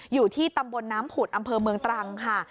อยู่ที่ตำบลน้ำผุดอำเภอเมืองตรังค่ะ